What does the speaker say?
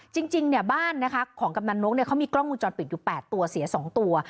จริงบ้านนะคะของกำนันนกเขามีกล้องวงจรปิดอยู่๘ตัวเสีย๒ตัว